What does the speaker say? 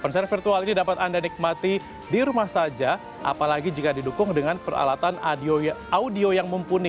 konser virtual ini dapat anda nikmati di rumah saja apalagi jika didukung dengan peralatan audio yang mumpuni